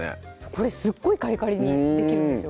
これすっごいカリカリにできるんですよ